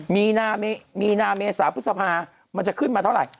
มีนามีนาเมษาพฤษภามันจะขึ้นมาเท่าไหร่